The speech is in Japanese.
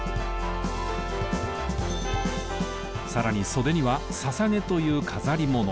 さらに袖には「ささげ」という飾り物。